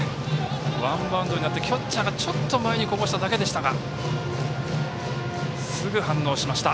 ワンバウンドになってキャッチャーが、ちょっと前にこぼしただけでしたがすぐ反応しました。